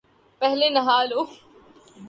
پہلے نہا لو ـ